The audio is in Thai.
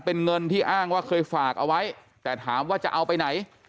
เป็นเงินที่อ้างว่าเคยฝากเอาไว้แต่ถามว่าจะเอาไปไหน